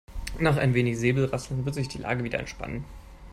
Nach ein wenig Säbelrasseln wird sich die Lage wieder entspannen.